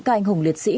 các anh hùng liệt sĩ